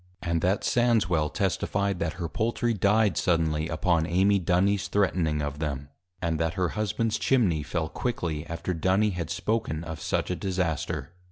_ And that Sandswel testifi'd, that her Poultry dy'd suddenly, upon Amy Dunys threatning of them; and that her Husbands Chimney fell, quickly after Duny had spoken of such a disaster.